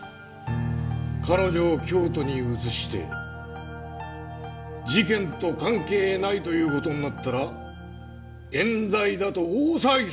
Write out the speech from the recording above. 彼女を京都に移して事件と関係ないという事になったら冤罪だと大騒ぎされるんだ！